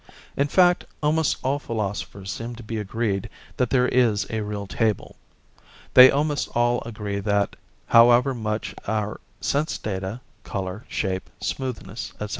In fact, almost all philosophers seem to be agreed that there is a real table: they almost all agree that, however much our sense data colour, shape, smoothness, etc.